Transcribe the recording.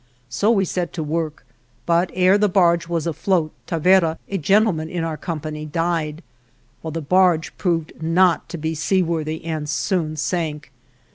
So we set to work, but ere the barge was afloat Tavera, a gentleman in our com pany, died, while the barge proved not to be seaworthy and soon sank.